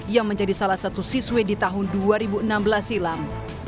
yang menjadi salah satu siswi di tahun dua ribu enam belas silam